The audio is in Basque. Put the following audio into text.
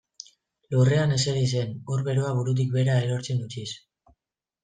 Lurrean ezeri zen ur beroa burutik behera erortzen utziz.